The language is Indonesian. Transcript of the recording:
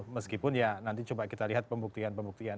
meskipun ya nanti coba kita lihat pembuktian pembuktian